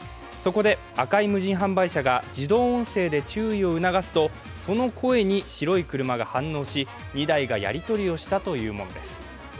そこで赤い無人販売車が自動音声で注意を促すとその声に白い車が反応し２台がやりとりをしたというものです。